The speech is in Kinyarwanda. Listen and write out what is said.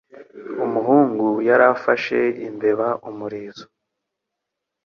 Umuhungu yari afashe imbeba umurizo.